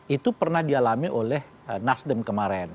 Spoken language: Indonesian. itu pernah dialami oleh nasdem kemarin